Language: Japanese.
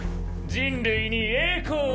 人類に栄光を！